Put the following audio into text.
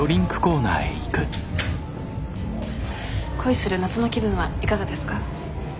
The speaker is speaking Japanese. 恋する夏の気分はいかがですか？